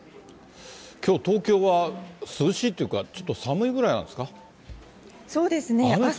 きょう東京は、涼しいというか、ちょっと寒いぐらいなんですか？